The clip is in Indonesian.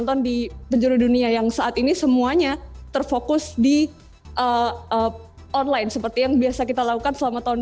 dan saya berpikir ini adalah satu dari beberapa hal yang harus kita lakukan